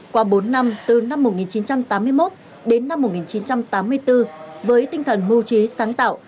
qua bốn năm từ năm một nghìn chín trăm tám mươi một đến năm một nghìn chín trăm tám mươi bốn với tinh thần mưu trí sáng tạo